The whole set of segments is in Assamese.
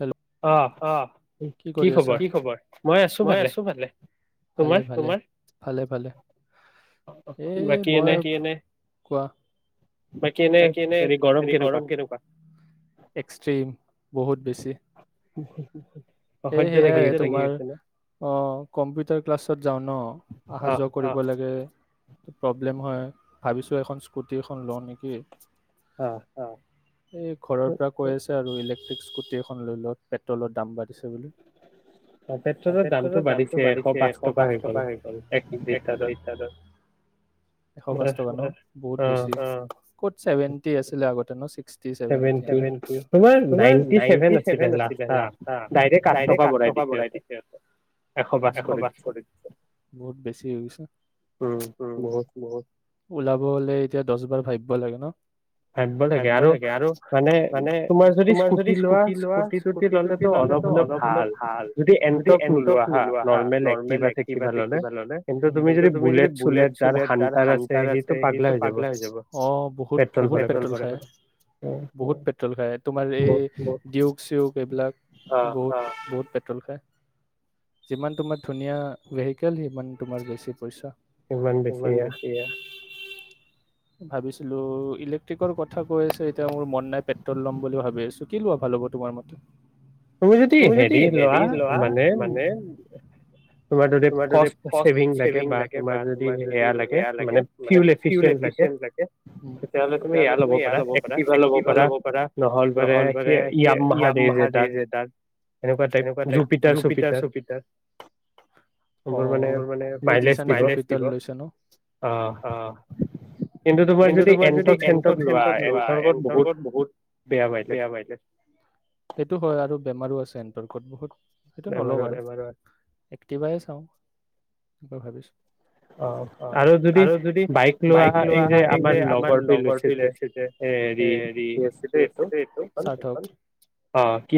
হেল অ কি কৰি আছ কি খবৰ মই আছো ভালে, ভালে তোমাৰ ভালে ভালে, এই কোৱা বাকী এনে গৰম কেনেকুৱা এক্সট্ৰিম বহুত বেছি সেই সেয়ে তোমাৰ অ কম্পিউটাৰ ক্লাছত যাওঁ ন অহা যোৱা কৰিব লাগে এই প্ৰব্লেম হয় ভাবিছো এখন স্কুটি এখন লওঁ নেকি অ এই ঘৰৰ পৰা কৈ আছে আৰু ইলেক স্কুটি এখন লৈ লত পেট্ৰলৰ দাম বাঢ়িছে বুলি পেট্ৰলৰ দামতটো বাঢ়িছে এশ পাঁচ টকা হৈ গ'ল এক এশ পাঁচ টকা নহ বহুত বেছি ক'ত ছেভেণ্টি আছিলে আগতে [unintelligible] চিকটি চেভেনটি চেভেনটি নাইণ্টি চেভেন আছিলে লাষ্ট ডাইৰেক্ট আঠ টকা বঢ়াই দিছে এশ পাঁচ কৰি বহুত বেছি হৈগৈছে উম ওলাব হ'লে। এতিয়া দশ বাৰ ভাবিব লাগে ন ভাবিব লাগে আৰু মানে তোমাৰ যদি তোমাৰ যদি স্কুটি লোৱা স্কুটি টোটি ললে টো অলপ হলোঁ ভাল, কিন্তু এণ্টৰক নোলোৱা হা, নৰ্মেল এক্টিভা চেকক্টিভা ললে। কিন্তু টো তুমি বুলেট চুলেট যাৰ হাণ্টাৰ আছে হিটো পাগলা হৈ যাব অহ বহুত বহুত পেট্ৰল খায় বহুত পেট্ৰল খায় তোমাৰ এই দিউগ চিউগ এইবিলাক বহুত বহুত তুল খাই যিমানটো তোমাৰ ধুনীয়া ভেহিকেল সিমানটো তোমাৰ বেছি পইচা। ইমানমান বেচি য়া ভাবিছিলোঁ ইলেক্ট্ৰিকৰ কথা কৈ আছে। এতিয়া মোৰ মন নাই পেট্ৰল লম। বুলি ভাবি আছোঁ। কি লোৱা ভাল হ'ব তোমাৰ মতে তুমি যদি হেৰি লোৱা মানে তোমাৰ যদি কষ্ট চেভিন লাগেই বা তোমাক যদি সেয়া লাগে তেতিয়া হ'লে ফিউলেভেচিং ল'ব পাৰা একটি ভাৰ লব পাৰা নহ'ল মান স য়াম মাহ দেছে তাত। নেকুৱা জুিটাৰ চুটাৰ অ মই মানে অ কিন্তু তোমাৰ যদি এলট চে লটক এ লট বহু ত বেয়া পাইলে সেইটো হয় আৰু বেমাৰো আছে এন্তৰ্কত বহুত। সেইটো নলও বাৰো এবাৰে একটিভাই চাওঁ মই ভাবিছোঁ। অ আৰু যদি বাইক লোৱা এই যে আমাৰ লগৰটোৱে লৈছে যে এ হেৰি কি অ কি আছিলে এইটো? স্বাৰ্থক।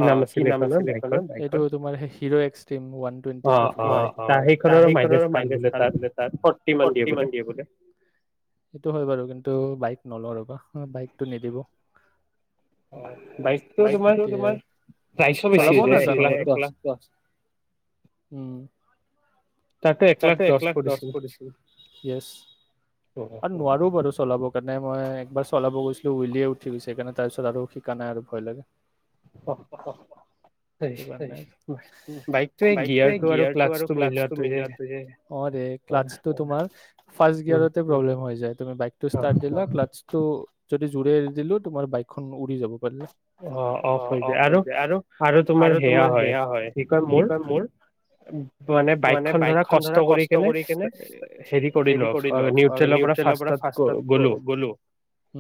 অঁ, কি নাম আছিলে এই খনৰ, বাইট খনৰ? এইটো‌ তোমাৰ Hero Xtreme, one twenty five. অঁ সেই খনৰো মাইলেছ ভাল বোলে। তাত ফৰ্টিমান দিয়ে বোলে। সেইটো হয় বাৰু কিন্তু বাইক নলওঁ ৰবা। বাইকটো নেদিব। থিকে, চলাবও নাজানো [unintelligible] তাতে এক লাখ দহ পৰিছিল। ইয়েছ আৰু নোৱাৰোঁও বাৰু চলাবৰ কাৰণে মই একবাৰ চলাব গৈছিলোঁ, উইলিয়ে উঠি গৈছে, সেইকাৰণে তাৰ পিছত আৰু শিকা নাই আৰু, ভয় লাগে। বাইকটোৱে গিয়াৰটো আৰু ক্লাটচটো মিলোৱাটোহে। অ'ৰে, ক্লাচটো তোমাৰ ফাৰ্ষ্ট গিয়াৰতে প্ৰব্লেম হৈ যায়। তুমি বাইকটো ষ্টাৰ্ট দিলা ক্লাচটো যদি জোৰে দিলো তোমাৰ বাইকখন উৰি যাব পাৰিলে। অ' অফ হৈ যায় আৰু - আৰু তোমাৰ সেয়া হয়, কি কয় মোৰ মানে বাইকখন ধৰা কষ্ট কৰি কেনে হেৰি কৰিলো, নিউট্ৰেলৰ পৰা ফাৰত গ- গলোঁ।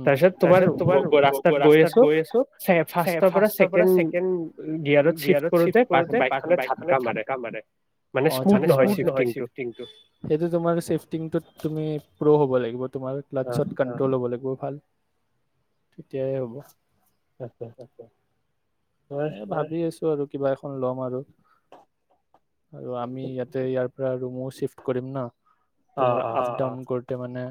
তাৰপিছত তোমাৰ গ- ৰাস্তাত গৈ আছোঁ ছে- ফাৰ্ষ্টৰ পৰা ছেকেণ্ড গিয়াৰত ছিফ্ট কৰোঁতে বা- বাইকখনে ঝাটকা মাৰে। মানে স্মুড নহয় ছিফ্ট হয় ছিফ্টংটো। সেইটো তোমাৰ ছিফ্টটিংটোত তুমি প্ৰো হব লাগিব [inaudible] তোমালোক কাৰ্লাছত কন্ট্ৰল হ'ব লাগিব। ভাল তেতিয়াহে হ'ব। তাকে, এ' ভাবি আছো আৰু কিবা এখন লম আৰু। আৰু আমি ইয়াতে ইয়াৰ। আৰু ৰুমও চিফ্ট কৰিম ন। তো মোৰ আপ ডাউন কৰোঁতে মানে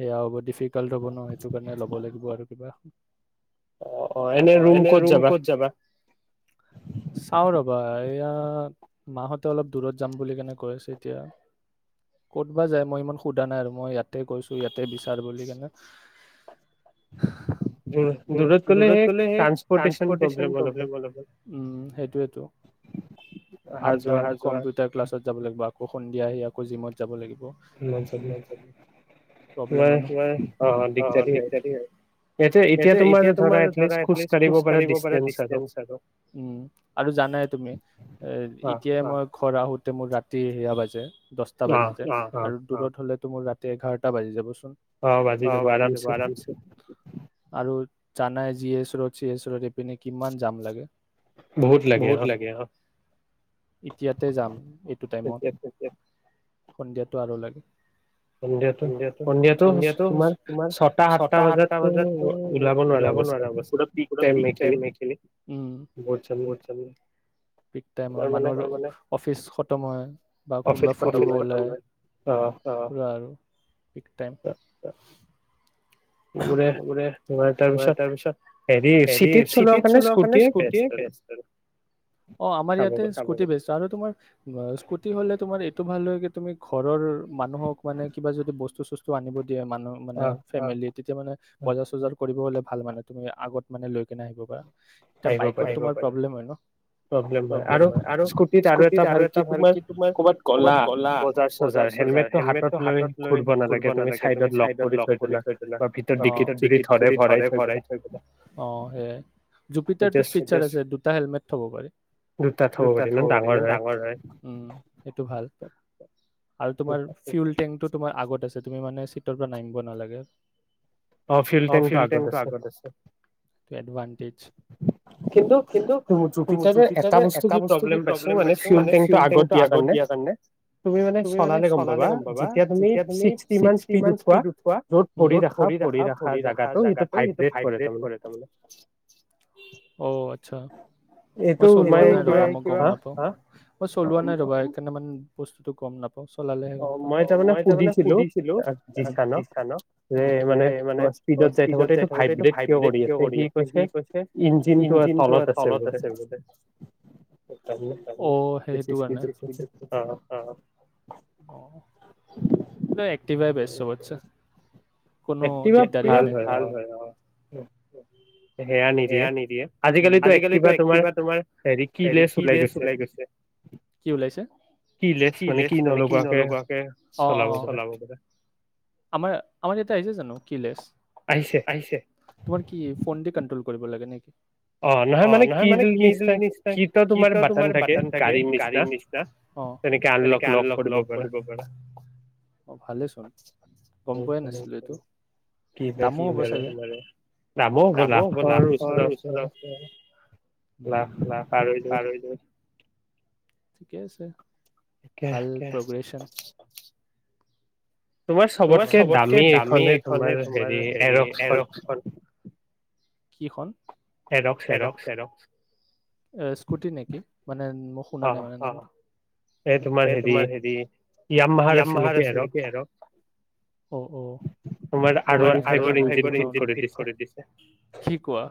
[inaudible] [inaudible] কালি ধ'ব নোৱাৰোঁ সেইটো কাৰণে ল'ব লাগিব আৰু কিবা [inaudible] অ' অ' এনে ৰুম কত যাবা? চাও ৰবা বা এয়া মাহঁতে অলপ দূৰত যাম বুলি কেনেকুৱ কই আছে এতিয়া ক'ত যায়, মই ইমান সোধা নাই আৰু মই ইয়াতে গৈছো ই তে বিচাৰ বলি ক দূৰত গলে সেই ট্ৰান্সপৰ্টন প্ৰব্লেম হলে হেতেন। সেইটোৱে। সেইটো, আপ ডাউন কৰা কম্পটাৰ ক্লছত। লাগিব আকৌ, সন্ধিয়া আহি আকৌ জিমত যাব লাগিব। ওৱান ছেকেণ্ড প্ৰব্লেম হয় ন ৱাই অঁ অঁ দিগদাৰি হয় এতিয়া, এতিয়া তোমাৰ ধৰা এটলিষ্ট খোজ়কাঢ়িব পাৰা ডিচটেন্স পাব উ আৰু জানাই তুমি এতিয়া মই ঘৰ আহো তো মোৰ ৰাতি সেয়া বাজে দহটা বাজিছে আৰু দূৰত হ'লে ত মোৰ ৰাতি এঘাৰটা বাজি যাব অ বাজি যাব আৰামছে আৰু জানাই জিএছ ৰোড চিএছ ৰোড এইপিনে কিমান জাম লাগে বহুত লাগে আহ! এতিয়াতে যাম! এইটো টাইমত সন্ধিয়াটো আৰু লাগে সন্ধিয়াটো সন্ধিয়াটো তোমাৰ ছটা সাতটা বজাত তো ওলাব নোৱাৰা অৱশ্যে পুৰা অৱ পিক টাই উিক টাই মানুহ মানে অফিচ হয় বা কোনোবা ফুৰিব ওলাই, পুৰা আৰু পিকটাইম মোৰে, তোমাৰ তাৰপিছত হেৰি চিটিত চলোৱা কাৰণে স্কুটিয়ে বেষ্ট আৰু অ আমাৰ ইয়াতে্ স্কুটি বেষ্ট আৰু তোমাৰ স্কুটি হলে তোমাৰ এইটো ভাল হৈ কি তুমি ঘৰৰ মানুহক মানে কিবা যদি বস্তু চস্তু আনিব দিয়ে মানুহ মানে ফেমিলিত তেতিয়া মানে বজাৰ চজাৰ কৰিব হলে ভাল মানে তুমি আগত মানে লৈ কেনে আহিব পাৰা আহিব পাৰা প্ৰব্লেম হয় আৰু স্কুটিত আৰু এটা ভাল কি তোমাৰ কবাত গলা বজাৰ চজাৰ হেলমেটটো হাতত লৈ ঘূৰিব নালাগে তুমি চাইডত লক্ কৰি থৈ দিলা বা ভিতৰ বাকিতো ডিকিট যদি ধৰে ভৰাই থই দিলা অ সেইয়াই টোত ফিচাৰ আছে দুটা হেলমেট থব পাৰি, উম দুটা থব পাৰি, ইমান ডাঙৰ হয় সেইটো ভাল আৰু তোমাৰ ফিউল টেংটোত তোমাৰ আগত আছে তুমি মানে চিটৰ পৰা নামিব নালাগে অ ফিউল টেংকটো আগত আছে টো এডভানণ্টেজ কিন্তু জুপিটাৰৰ এটা বস্তু কি প্ৰব্লেম পাইছো মানে ফিউল টেংকটো আগত দিয়াৰ কাৰে তুমি মানে চলালে গম পাবা যেতিয়া তুমি শিক্ষ্টি মান স্পিড উঠোৱা যত ভৰি ৰাখা ভৰি ৰাখা ভৰি ৰাখা জাগাটো সেইটো ভাইব্ৰেট কৰে তাৰমানে অ আচ্ছা! মই চলোৱা নাই ৰবা মই গম নাপাও, মই চলোৱা নাই ৰবা সেইকাৰণে ইমান বস্তুটো গম নাপাও চলালেহে গম পাম অ মই তাৰ মানে সুধিছিলো দিচানক মানে স্পীডত যাই থাকোতে এইটো ভাইব্ৰেট কিয় কৰি আছে সি কৈছে ইঞ্জিনটো তলত আছে বোলে সেইকাৰে বেছি স্পিডত গৈছে অ একটিভাই বেছ চবত ছে কোনো দিগদাৰী নাই ভাল হয় সেয়া নিদিয়ে আজিকালিটো এক্টিভা তোমাৰ হেৰি কি লেছ ওলাই গৈছে কি ওলাইছে কি লেছ মানে কি নলোৱাকে অ অ চলাব আমাৰ আমাৰ ইয়াতে আহিছে জানো কি লেছ আহিছে তোমাৰ কি ফোনদি কন্ট্ৰোল কৰিব লাগে নেকি অ নহয় মানে কি নিচনা কিপেড নিচিনা তোমাৰ বটন থাকে গাড়ীৰ নিচিনা তেনেকে আনলক লগ কৰিব পাৰে অ ভালেচোন নাছিলো এইটো দামো হ'ব চাগে দামো হ'ব লাখৰ ওচৰাওচৰি লাখ পাৰ হৈ যাব ঠিকে আছে ভাল প্ৰগ্ৰেছন তোমাৰ চবতকে দামী এইখনহে তোমাৰ হেৰি এৰক্সখন কিখন এৰক্স এৰক্স স্কুটি নেকি মানে মোক শুনা নাই মানে এ তোমাৰ হেৰি ইয়াম মাহাৰ আছে নেকি এৰক্স তোমাৰ আৰ ওৱান ফাইভৰ ইঞ্জিন ফিত কৰি দিছে কি কোৱা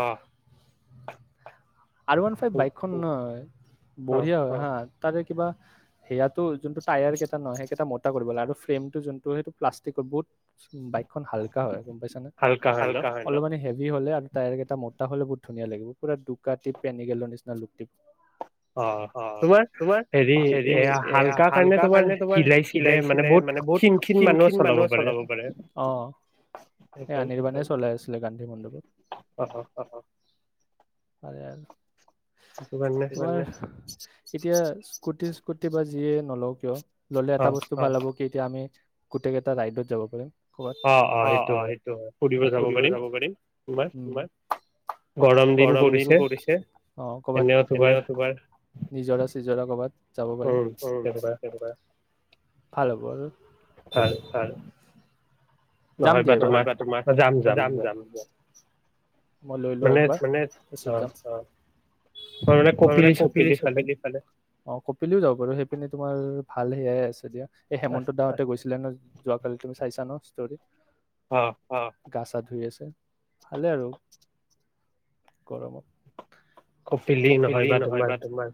অহ আৰ ওৱান ফাইভ বাইকখন অ বঢ়িয়া হয় হা তাৰে কিবা সেয়াতো যোনটো টায়াৰ কেইটা ন সেইকেইটা মই কৰিব লাগে আৰু ফ্ৰেমটো যোনটো সেইটো প্লাষ্টিকৰ বহুত বাইক হালকা হয় গম পাইছা নেলানে যি হলে টায়াৰ কেইটা মতা হলে বহুত ধুনীয়া লাগিব পুৰা দুকাটি পেনি গেলৰ নিচিনা লুক দিব অ তোমাৰ হেৰি এ হালকা কাৰণে তোমাৰ শিল চিলাই চিলাই মানে বহুত খিন খিন মানুহে চলাব পাৰে অ স আনিৰ্বণে চলাই আছিলে গান্ধী মণ্ডপত অ আৰু তোমাৰ এতিয়া স্কুটি স্কুটি বা যিয়ে নলব কিয় এটা বস্তু ভাল হ'ব কি এতিয়া আমি গোটেইকেইটা এটা ৰাইডত যাব পাৰিম কবাত অ অ সেইটো হয় ফুৰিব যাব পাৰিম উ গৰম দিন কৰিছে আহ কৰবাত এনেও তোমাৰ নিজৰা চিজৰা কৰবাত যাব পাৰিম উনেকা ভাল হ'ব আৰু ভাল যাম দে। তোমাৰ যাম, যাম। মই লৈ লও একবাৰ মানে কপিলি চপিলি ফালে, অ কপিলীও যাব পাৰো। সেইপিনে তোমাৰ ভাল সেয়াই আছে দিয়া। এই হেমন্ত দাহতে গৈছিলে ন? যোৱাকালি তুমি চাইছা ন? যদি অ। গা চা ধুই আছে। ভালে আৰু গৰমত। কপিলি নহয় বা তোমাৰ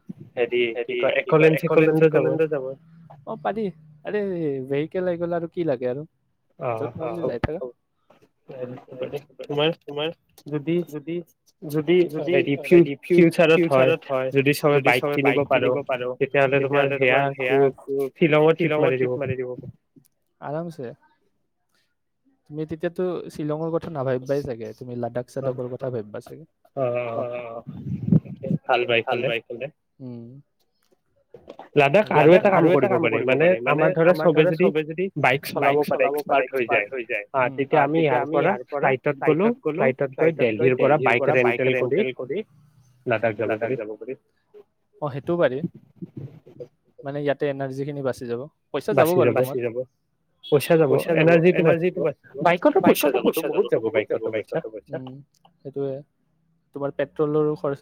হেৰি কি একলেণ্ড চে ও যাব, অ পাৰি। আৰে জেইকেল আহি গ'ল আৰু কি লাগে আৰু। [unintelligible] যদি, যদি ফিউ -ফিউচাৰত হয়। যদি চবে বাইক কিনিব পাৰো তেতিয়া হলে তোমাৰ হেয়া দূৰ শ্বিলঙত ট্ৰিপ মাৰি দিব পাৰো আৰামচে। তুমি তেতিয়া তো শিলংৰ কথ নাভাবিবাই চাগে। তুমি লাডাখ চাদাখৰ কথা ভাবিবা চাগে। অ-অ ভাল বাইক হলে উ। লাডাখ আৰু এটা কাম কৰিব পাৰি মানে আমাৰ ধৰা চবে যদি বাইক চলাব চলাব পাৰে এক্সপাৰ্ট হৈ যায় তেতিয়া আমি ইয়াৰ পৰা ফ্লাইটত গলো, ফ্লাইটত গৈ দেলহিৰ পৰা বাইক ৰেণ্টেল কৰি লাডাখ যাব পাৰি। অ সেইটো পাৰি। মানে ইয়াতে এনাৰ্জি খিনি বাচি যাব। পইচা যাব বাৰু বাছি যাব। পইচা যাব, এনাৰ্জিটো বাচিব। বাইকটো পইচা যাব ন। বহুত যাব বাইকটো পইচা। সেইটোয়ে তোমাৰ পেট্ৰলৰো খৰচ [unintelligible] অ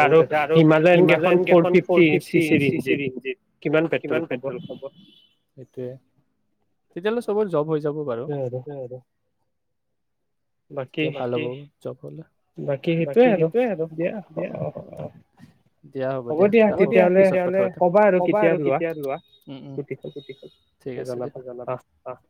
বহুত আ তাতে আৰু হিমালয়ন কেইখন ফৰ ফিট টি একচিছিৰিজ। কিমান পেট্ৰল খাব? সেইয়ে তেতিয়াহ'লে চবৰ জব হৈ যা যাব বাৰু। সেইয়াই আৰু। যাব তেতিয়া ভাল হ'ব জব হলে। বাকী সেইটোয়ে আৰু। দিয়া হ'ব। দিয়া হ'ব দিয়া। তেতিয়াহলে কবা আৰু কেতিয়া লোৱা। উ-উ। ঠিক আছে তেতিয়া জনাবা। অহ।